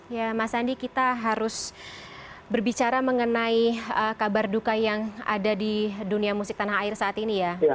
ya mas andi kita harus berbicara mengenai kabar duka yang ada di dunia musik tanah air saat ini ya